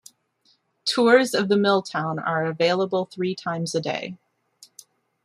Tours of the mill town are available three times a day.